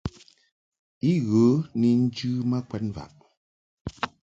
I ghə ni njɨ ma kwɛd mvaʼ.